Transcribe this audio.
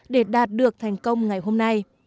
để đạt được thành công ngày hôm nay